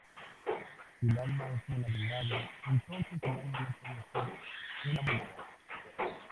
Si el alma es un agregado, entonces el alma no puede ser una mónada.